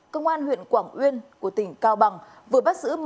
công an huyện quảng uyên của tỉnh cao bằng vừa bắt giữ